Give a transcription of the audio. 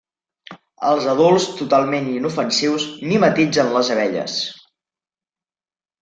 Els adults, totalment inofensius, mimetitzen les abelles.